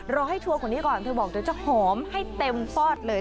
รอให้ทัวร์คนนี้ก่อนเธอบอกจะหอมให้เต็มพอดเลย